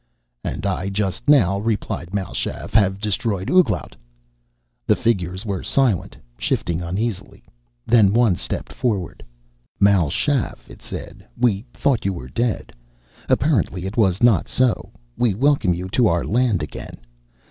"And I, just now," replied Mal Shaff, "have destroyed Ouglat." The figures were silent, shifting uneasily. Then one stepped forward. "Mal Shaff," it said, "we thought you were dead. Apparently it was not so. We welcome you to our land again.